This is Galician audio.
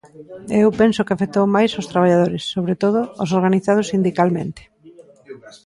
E eu penso que afectou máis aos traballadores, sobre todo os organizados sindicalmente.